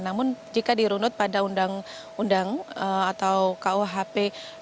namun jika dirunut pada undang undang atau kuhp dua ratus sembilan puluh enam